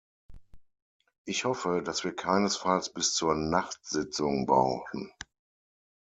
Ich hoffe, dass wir keinesfalls bis zur Nachtsitzung brauchen.